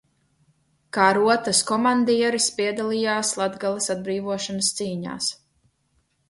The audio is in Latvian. Kā rotas komandieris piedalījās Latgales atbrīvošanas cīņās.